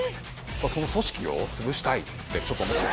その組織を潰したいってちょっと思った。